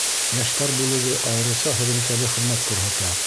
Йәштәр бүлеге айырыуса һөҙөмтәле хеҙмәт күрһәтә.